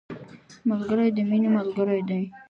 ملګری د مینې ملګری دی